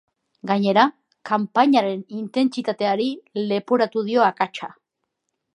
Gainera, kanpainaren intentsitateari leporatu dio akatsa.